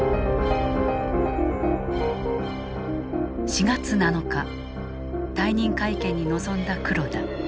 ４月７日退任会見に臨んだ黒田。